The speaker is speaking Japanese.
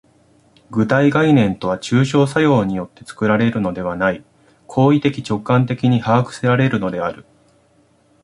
具体概念とは抽象作用によって作られるのではない、行為的直観的に把握せられるのである。